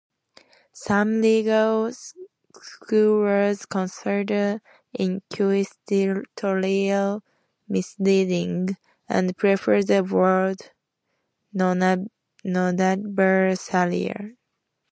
Some legal scholars consider "inquisitorial" misleading, and prefer the word nonadversarial.